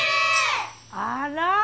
あら！